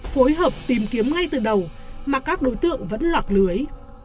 phối hợp tìm kiếm ngay từ đầu mà các đối tượng vẫn lọt lưới